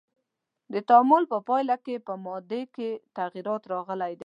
د تعامل په پایله کې په مادې کې تغیرات راغلی دی.